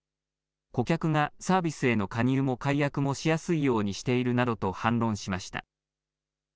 顧客がサービスへの加入も解約もしやすいようにしているなどと反論しました。